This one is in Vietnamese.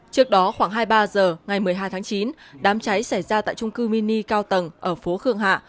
trước đó khoảng hai mươi ba h ngày một mươi hai tháng chín đám cháy xảy ra tại trung cư mini cao tầng ở phố khương hạ